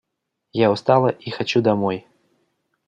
Я устала и хочу домой.